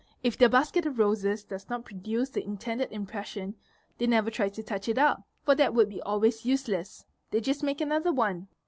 If their basket of roses does not produce the intended impression — they never try to touch it up, for that would be always useless; they just make another one.